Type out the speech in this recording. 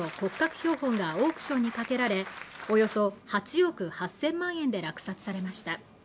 標本がオークションにかけられおよそ８億８０００万円で落札されました